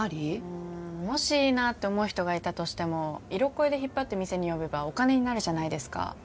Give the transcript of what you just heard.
うんもしいいなって思う人がいたとしても色恋で引っ張って店に呼べばお金になるじゃないですか。